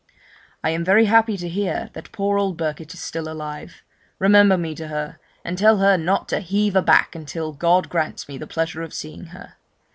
'I am very happy to hear that poor old Birket is still alive; remember me to her, and tell her not to heave aback, until God grants me the pleasure of seeing her.